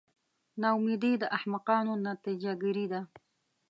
نا امیدي د احمقانو نتیجه ګیري ده.